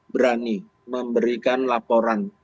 berani memberikan laporan